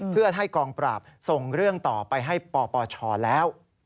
เพื่อให้กองปราบส่งเรื่องต่อไปให้ปปชแล้ว